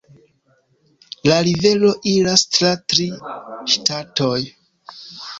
La rivero iras tra tri ŝtatoj.